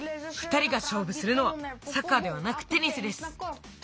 ２人がしょうぶするのはサッカーではなくテニスです。